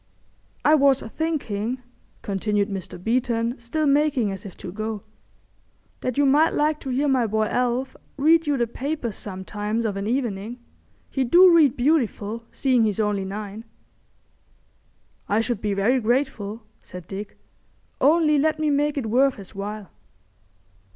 "I was thinking," continued Mr. Beeton, still making as if to go, "that you might like to hear my boy Alf read you the papers sometimes of an evening. He do read beautiful, seeing he's only nine." "I should be very grateful," said Dick. "Only let me make it worth his while."